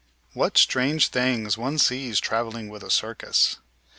What strange things one sees traveling with a circus!